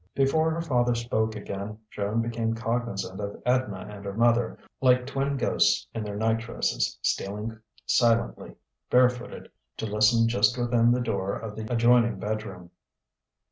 Before her father spoke again, Joan became cognizant of Edna and her mother, like twin ghosts in their night dresses, stealing silently, barefooted, to listen just within the door of the adjoining bedroom.